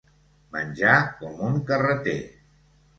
Menjar com un carreter.